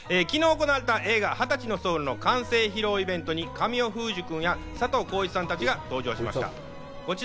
昨日行われた映画『２０歳のソウル』の完成披露イベントに神尾楓珠君や佐藤浩市さん達が登場しました。